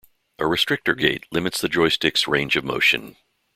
A restrictor gate limits the joystick's range of motion.